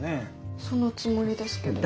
そのつもりですけど。